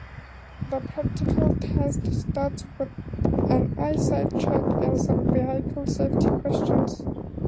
The practical test starts with an eyesight check and some vehicle safety questions.